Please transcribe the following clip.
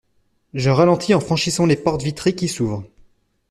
Je ralentis en franchissant les portes vitrées qui s’ouvrent.